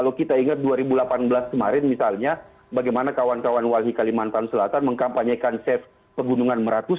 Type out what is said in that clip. kalau kita ingat dua ribu delapan belas kemarin misalnya bagaimana kawan kawan walhi kalimantan selatan mengkampanyekan chef pegunungan meratus